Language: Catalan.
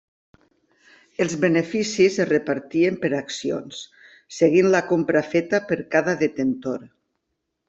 Els beneficis es repartien per accions seguint la compra feta per cada detentor.